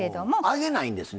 揚げないんですね？